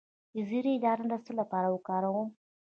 د زیرې دانه د څه لپاره وکاروم؟